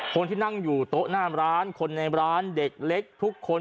คนที่นั่งอยู่โต๊ะหน้าร้านคนในร้านเด็กเล็กทุกคน